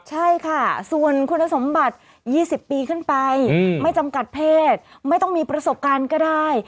ใช่ค่ะส่วนคุณสมบัติ๒๐ปีขึ้นไปไม่จำกัดเพศไม่ต้องมีประสบการณ์ก็ได้